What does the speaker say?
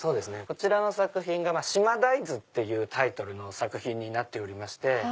こちらの作品が『島台図』ってタイトルになっておりまして。